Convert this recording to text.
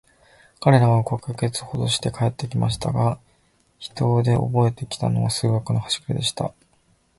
彼等は五ヵ月ほどして帰って来ましたが、飛島でおぼえて来たのは、数学のはしくれでした。